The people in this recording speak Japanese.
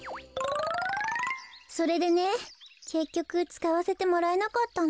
それでねけっきょくつかわせてもらえなかったの。